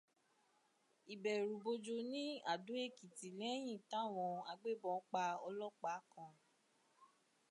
Ìbẹ̀rù-bojo ní Adó Èkìtì lẹ́yìn táwọn agbébọn pa ọlọ́pàá kan.